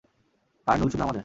কারনুল শুধু আমাদের!